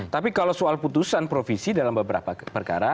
tapi kalau soal putusan provisi dalam beberapa perkara